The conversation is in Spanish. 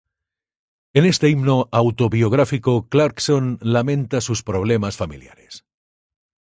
En este himno autobiográfico, Clarkson lamenta sus problemas familiares.